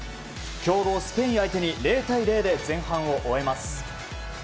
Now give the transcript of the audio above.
強豪スペイン相手に０対０で前半を終えます。